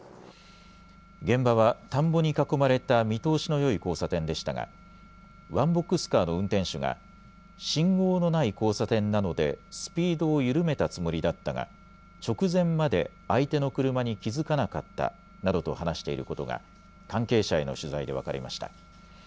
現場は田んぼに囲まれた見通しのよい交差点でしたが、ワンボックスカーの運転手が、信号のない交差点なので、スピードを緩めたつもりだったが、直前まで相手の車に気付かなかったなどと話していることが関係者への取材で分かりました。